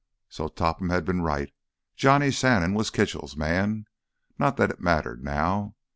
So Topham had been right—Johnny Shannon was Kitchell's man. Not that it mattered now.